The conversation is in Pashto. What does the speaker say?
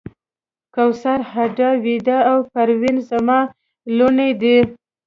کوثر، هُدا، ویدا او پروین زما لوڼې دي.